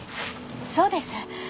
そうです。